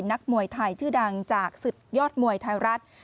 นักมวยไทยชื่อดังจากศึกยอดมวยไทยรัฐ